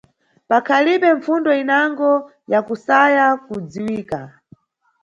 Pakhalibe mpfundo inango yakusaya kudziwika.